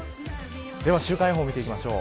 では週間予報を見ていきましょう。